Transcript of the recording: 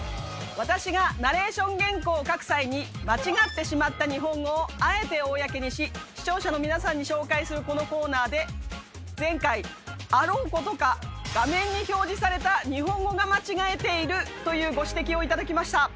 私がナレーション原稿を書く際に間違ってしまった日本語をあえて公にし視聴者の皆さんに紹介するこのコーナーで前回あろうことかというご指摘を頂きました。